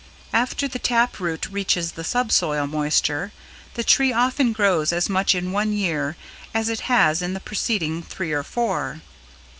After the tap root reaches the sub soil moisture, the tree often grows as much in one year as it has in the preceding three or four.